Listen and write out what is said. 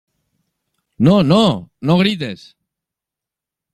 ¡ no, no! no grites.